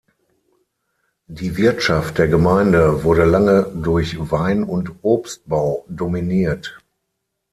Die Wirtschaft der Gemeinde wurde lange durch Wein- und Obstbau dominiert.